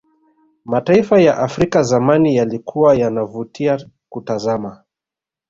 mataifa ya afrika zamani yalikuwa yanavutia kutazama